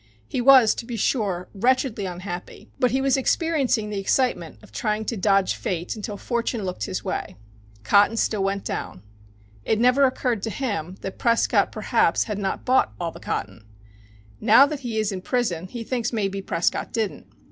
He was, to be sure, wretchedly unhappy, but he was experiencing the excitement of trying to dodge Fate until Fortune looked his way. Cotton still went down. It never occurred to him that Prescott perhaps had not bought all the cotton. Now that he is in prison he thinks maybe Prescott didn't.